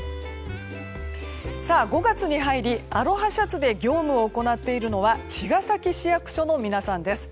５月に入りアロハシャツで業務を行っているのは茅ヶ崎市役所の皆さんです。